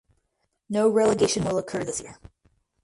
No relegation will occur this year.